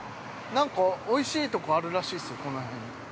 ◆なんかおいしいとこあるらしいっすよ、この辺に。